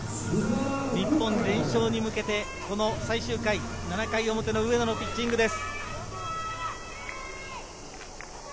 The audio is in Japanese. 日本連勝に向けて最終回、７回表の上野のピッチングです。